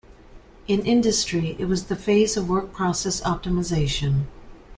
In industry, it was the phase of work process optimization.